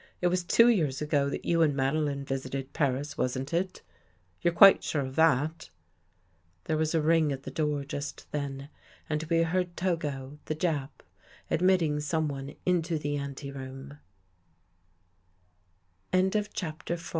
It was two years ago that you and Madeline visited Paris, wasn't it? You're quite sure of that?" There was a ring at the door just then and we heard Togo, the Jap, admitting someone into th